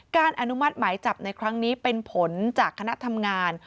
อนุมัติหมายจับในครั้งนี้เป็นผลจากคณะทำงาน